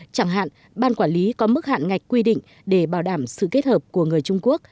chẳng hạn ban quản lý có mức hạn ngạch quy định để bảo đảm sự kết hợp của người trung quốc